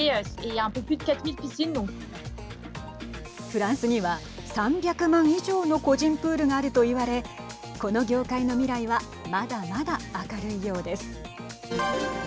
フランスには３００万以上の個人プールがあるといわれこの業界の未来はまだまだ明るいようです。